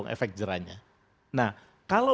efek jerahnya nah kalau